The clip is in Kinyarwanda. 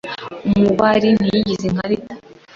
Umubari ntiyigeze ankarita.